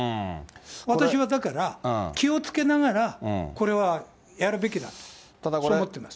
私はだから、気をつけながら、これはやるべきだと、そう思ってます。